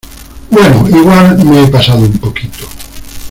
bueno, igual me he pasado un poquito.